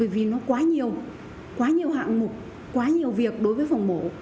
vì nó quá nhiều quá nhiều hạng mục quá nhiều việc đối với phòng mổ